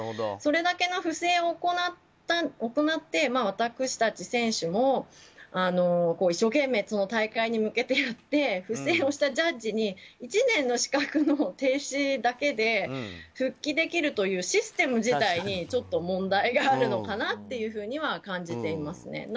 それだけの不正を行って私たち選手も一生懸命その大会に向けてやって不正をしたジャッジに１年の資格の停止だけで復帰できるというシステム自体にちょっと問題があるのかなというふうには感じていますね。